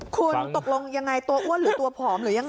คุณตกลงยังไงตัวอ้วนหรือตัวผอมหรือยังไง